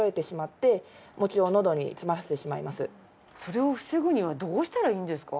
それを防ぐにはどうしたらいいんですか？